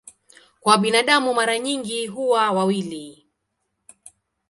Kwa binadamu mara nyingi huwa wawili.